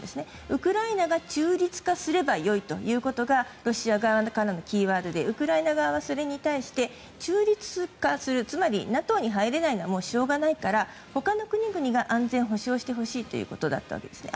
ウクライナが中立化すればよいということがロシア側からのキーワードでウクライナ側はそれに対して中立化するつまりＮＡＴＯに入れないのはしょうがないから他の国々が安全保障をしてほしいということだったんですね。